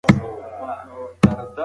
جدي پوښتنې راپورته کېږي.